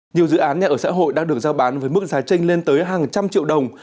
nhiều dự án nhà ở xã hội đang được giao bán với mức giá tranh lên tới hàng trăm triệu đồng